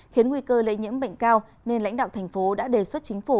khiến nguy cơ lệ nhiễm bệnh cao nên lãnh đạo tp hcm đã đề xuất chính phủ